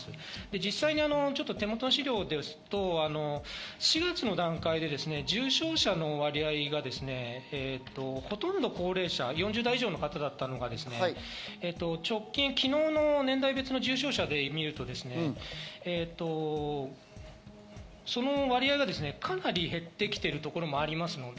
実際に手元の資料ですと４月の段階で重症者の割合がほとんど高齢者、４０代以上の方だったのが直近、昨日の年代別の重症者で見ると、その割合がかなり減ってきているところもありますので、